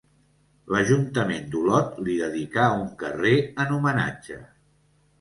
L'ajuntament d'Olot li dedicà un carrer en homenatge.